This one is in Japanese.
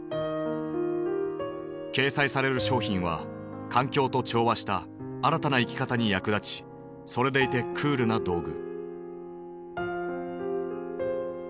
掲載される商品は環境と調和した新たな生き方に役立ちそれでいてクールな道具。